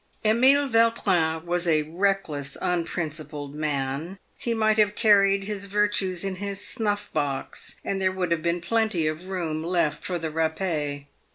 \f Emile Yautrin was a reckless, unprincipled man. He might have carried his virtues in his snuff box, and there would have been plenty of room left for the rappee.